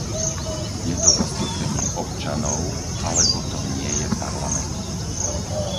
Je to zastúpenie občanov alebo to nie je parlament!